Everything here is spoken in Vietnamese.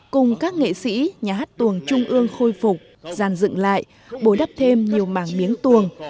cùng các nghệ sĩ nhà hát tuồng trung ương khôi phục giàn dựng lại bối đắp thêm nhiều màng miếng tuồng